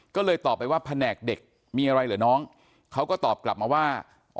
ก็เลยตอบไปว่าแผนกเด็กมีอะไรเหรอน้องเขาก็ตอบกลับมาว่า